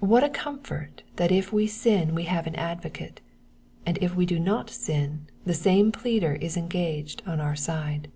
What a comfort that if we sin we have an advocate, and if we do not sin the same pleader is engaged on our side.